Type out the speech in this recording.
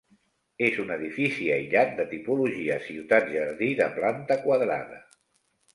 És un edifici aïllat de tipologia ciutat-jardí, de planta quadrada.